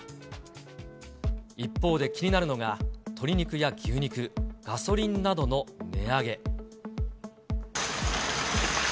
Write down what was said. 一方で気になるのが、鶏肉や牛肉、ガソリンなどの値上げ。